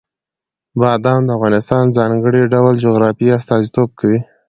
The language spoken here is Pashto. بادام د افغانستان د ځانګړي ډول جغرافیې استازیتوب کوي.